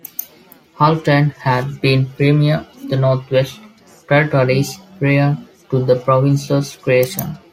Haultain had been Premier of the North-West Territories prior to the province's creation.